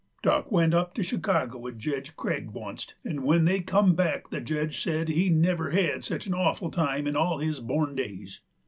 Dock went up to Chicago with Jedge Craig oncet, 'nd when they come back the jedge said he'd never had such an offul time in all his born days.